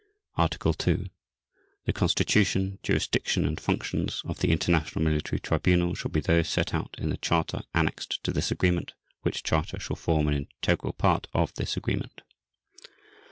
Article 2. The constitution, jurisdiction, and functions of the International Military Tribunal shall be those set out in the Charter annexed to this Agreement, which Charter shall form an integral part of this Agreement.